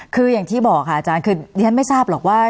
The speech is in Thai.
คืออย่างที่บอกค่ะอาจารย์คือดิฉันไม่ทราบหรอกว่า